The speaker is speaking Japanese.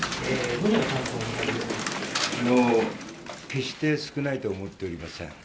決して少ないと思っておりません。